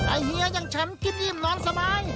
ไอ้เฮียอย่างฉันกินอิ่มนอนสบาย